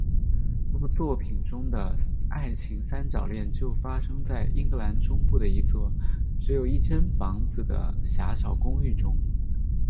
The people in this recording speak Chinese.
这部作品中的爱情三角恋就发生在英格兰中部的一座只有一间房子的狭小公寓中。